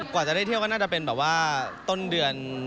กว่าจะได้เที่ยวก็น่าจะเป็นแบบว่าต้นเดือน